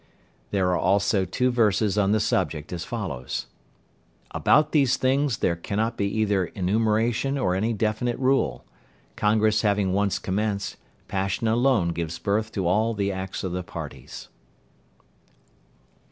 There are also two verses on the subject as follows: "About these things there cannot be either enumeration or any definite rule. Congress having once commenced, passion alone gives birth to all the acts of the parties."